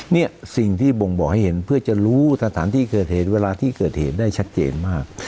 เนี่ยสิ่งที่บ่งบอกให้เห็นเพื่อจะรู้สถานที่เกิดเหตุเวลาที่เกิดเหตุได้ชัดเจนมาก